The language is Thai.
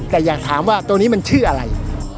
แต่อยากถามว่าตัวนี้มันชื่ออะไร